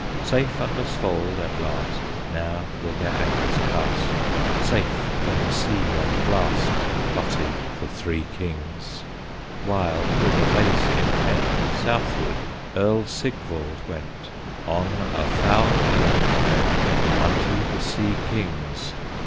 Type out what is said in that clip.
Safe under Svald at last, Now were their anchors cast, Safe from the sea and blast, Plotted the three kings; While, with a base intent, Southward Earl Sigvald went, On a foul errand bent, Unto the Sea kings.